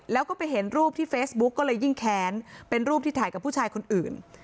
แล้วก็ไปเห็นรูปที่เฟซบุ๊กก็เลยยิ่งแค้นเป็นรูปที่ถ่ายกับผู้ชายคนอื่น